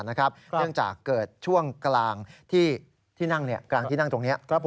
เนื่องจากเกิดช่วงกลางที่นั่งตรงนี้